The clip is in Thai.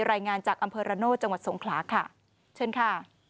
รายงานจากอำเภอระโนธจังหวัดสงขลาค่ะเชิญค่ะ